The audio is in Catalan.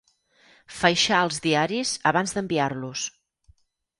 Faixar els diaris abans d'enviar-los.